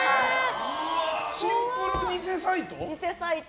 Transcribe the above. シンプル偽サイト？